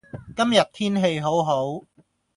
今日天氣好好